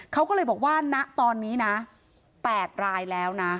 เขาก็เลยบอกว่าณตอนนี้นะ๘รายแล้วนะ